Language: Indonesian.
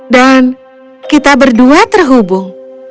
dan kita berdua terhubung